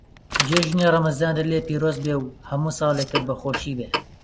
جێژنی ڕەمەزانت لێ پیرۆز بێ و هەموو ساڵێکت بە خۆشی بێ.